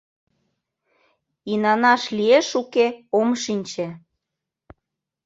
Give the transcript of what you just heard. — Инанаш лиеш-уке — ом шинче.